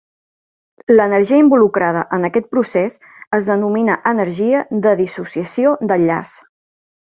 L'energia involucrada en aquest procés es denomina energia de dissociació d'enllaç.